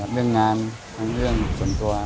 เรื่องงานทั้งเรื่องส่วนตัว